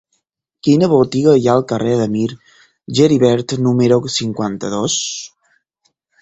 Quina botiga hi ha al carrer de Mir Geribert número cinquanta-dos?